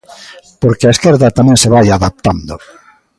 Porque a esquerda tamén se vai adaptando.